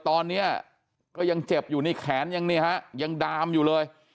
ตอนนี้ก็ยังเจ็บอยู่นี่แขนยังนี่ฮะยังดามอยู่เลย